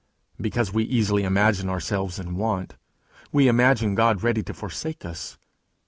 Because we easily imagine ourselves in want, we imagine God ready to forsake us.